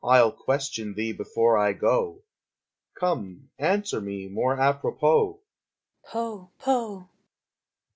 _ I'll question thee before I go, Come, answer me more apropos!